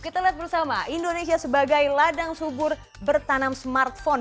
kita lihat bersama indonesia sebagai ladang subur bertanam smartphone